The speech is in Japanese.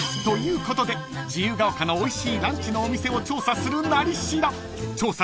［ということで自由が丘のおいしいランチのお店を調査する「なり調」］